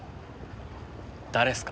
誰っすか？